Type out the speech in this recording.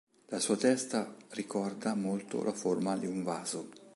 La sua testa ricorda molto la forma di un vaso.